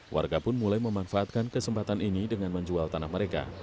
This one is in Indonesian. warga pun mulai memanfaatkan kesempatan ini dengan menjual tanah mereka